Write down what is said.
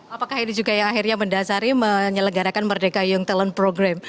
apakah ini juga yang akhirnya mendasari menyelenggarakan merdeka young talent program